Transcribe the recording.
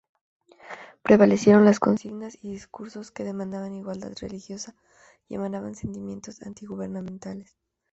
Prevalecieron las consignas y discursos que demandaban igualdad religiosa y emanaban sentimientos antigubernamentales.